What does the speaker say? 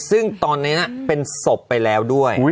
ซึ่งตอนนี้เป็นศพไปแล้วด้วย